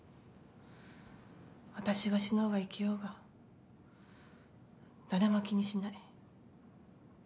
私が死のうが生きようが誰も気にしない。